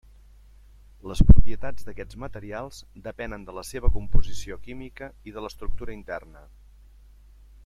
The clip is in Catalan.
Les propietats d'aquests materials depenen de la seva composició química i de l'estructura interna.